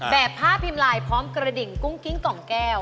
แบบผ้าพิมพ์ลายพร้อมกระดิ่งกุ้งกิ้งกล่องแก้ว